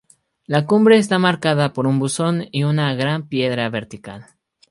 La cumbre está marcada por un buzón y una gran piedra vertical.